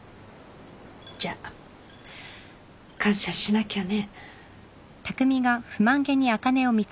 じゃあ感謝しなきゃね。